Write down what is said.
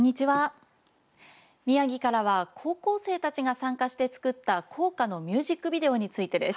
宮城からは高校生たちが参加して作った校歌のミュージックビデオについてです。